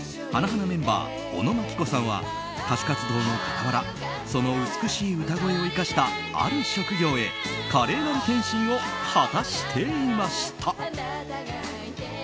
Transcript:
花メンバーおのまきこさんは歌手活動の傍らその美しい歌声を生かしたある職業へ華麗なる転身を果たしていました。